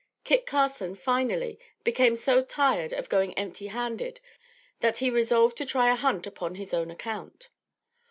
Kit Carson, finally, became so tired of going empty handed, that he resolved to try a hunt upon his own account.